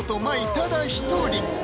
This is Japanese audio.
ただ一人